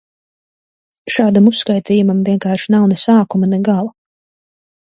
Šādam uzskaitījumam vienkārši nav ne sākuma, ne gala.